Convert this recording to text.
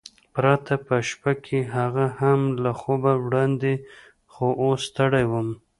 پرته په شپه کې، هغه هم له خوبه وړاندې، خو اوس ستړی وم.